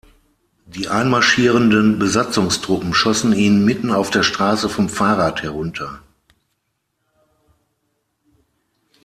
Die einmarschierenden Besatzungstruppen schossen ihn mitten auf der Straße vom Fahrrad herunter.